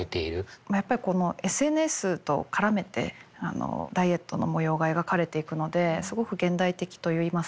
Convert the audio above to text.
やっぱりこのＳＮＳと絡めてダイエットの模様が描かれていくのですごく現代的といいますか。